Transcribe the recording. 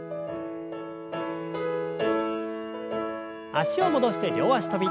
脚を戻して両脚跳び。